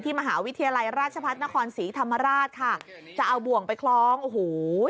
มหาวิทยาลัยราชพัฒนครศรีธรรมราชค่ะจะเอาบ่วงไปคล้องโอ้โห